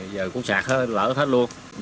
giờ cũng sạt hết lở hết luôn